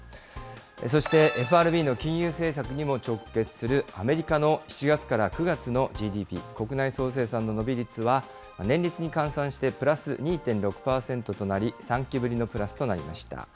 そしてＦＲＢの金融政策にも直結するアメリカの７月から９月のＧＤＰ・国内総生産の伸び率は、年率に換算してプラス２．６％となり、３期ぶりのプラスとなりました。